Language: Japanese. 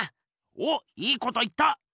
おっいいこと言った！